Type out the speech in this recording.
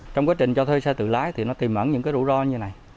trong quá trình cho thuê xe tự lái thì nó tìm ẩn những rủi ro như thế này